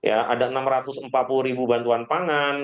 ada enam ratus empat puluh ribu bantuan pangan